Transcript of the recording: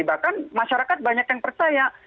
bahkan masyarakat banyak yang percaya